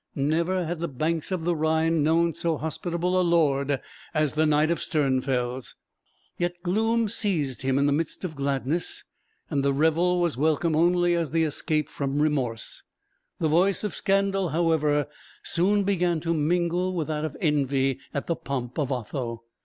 Never had the banks of the Rhine known so hospitable a lord as the knight of Sternfels. Yet gloom seized him in the midst of gladness, and the revel was welcome only as the escape from remorse. The voice of scandal, however, soon began to mingle with that of envy at the pomp of Otho.